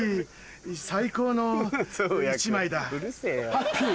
ハッピー！